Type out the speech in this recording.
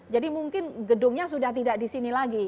jadi mungkin gedungnya sudah tidak di sini lagi